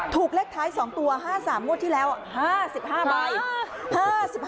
ถูกเลขท้าย๒ตัว๕๓งวดที่แล้ว๕๕ใบ